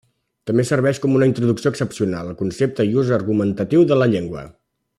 També serveix com una introducció excepcional al concepte i ús argumentatiu de la llengua.